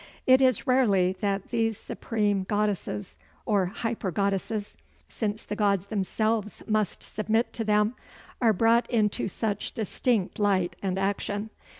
It is rarely that these supreme goddesses or hyper goddesses, since the gods themselves must submit to them are brought into such distinct light and action.